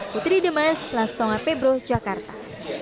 putri demes lansetonga pebro jakarta